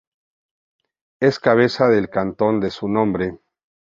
Es cabeza del cantón de su nombre.